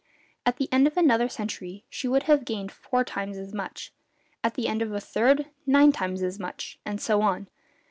At the end of another century she would have gained four times as much; at the end of a third, nine times as much: and so on.